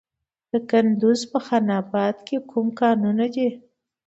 د کندز په خان اباد کې کوم کانونه دي؟